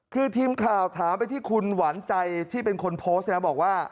คือทีมข่าวถามไปที่คุณหวานใจที่เป็นคนโพสต์เนี่ยบอกว่า